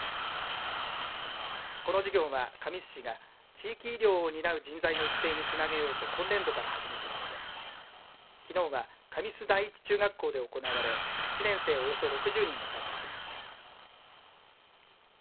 この授業は神栖市が地域医療を担う人材の育成につなげようと今年度から始めたものできのうは神栖第一中学校で行われ１年生およそ６０人が参加しました。